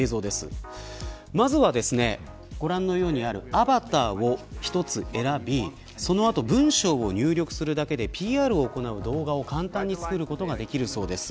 まずは、ご覧のようにあるアバターを１つ選びその後文章を入力するだけでＰＲを行う動画を簡単に作ることができるそうです。